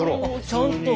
ちゃんと。